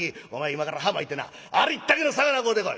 今から浜行ってなありったけの魚買うてこい。